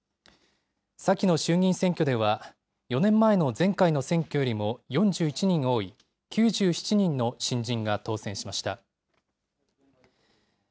先の衆議院選挙では、４年前の前回の選挙よりも４１人多い、９７人の新人が当選しました。